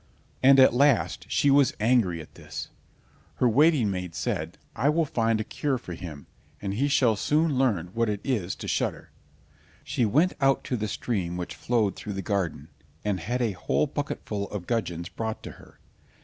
And at last she was angry at this. Her waiting maid said, "I will find a cure for him; he shall soon learn what it is to shudder." She went out to the stream which flowed through the garden, and had a whole bucketful of gudgeons brought to her.